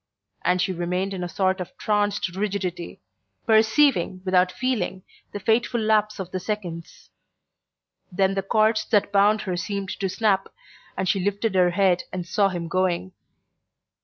and she remained in a sort of tranced rigidity, perceiving without feeling the fateful lapse of the seconds. Then the cords that bound her seemed to snap, and she lifted her head and saw him going.